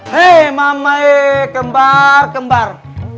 hei mama ee kembar kembar